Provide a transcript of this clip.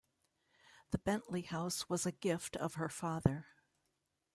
The Bentley house was a gift of her father.